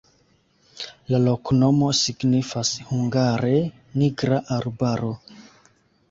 La loknomo signifas hungare: nigra-arbaro.